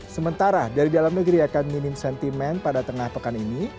sementara dari dalam negeri akan minim sentimen pada tengah pekan ini